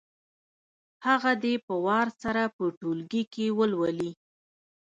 هغه دې په وار سره په ټولګي کې ولولي.